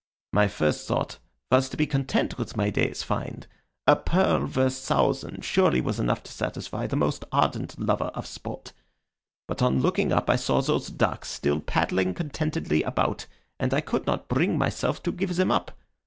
My first thought was to be content with my day's find. A pearl worth thousands surely was enough to satisfy the most ardent lover of sport; but on looking up I saw those ducks still paddling contentedly about, and I could not bring myself to give them up.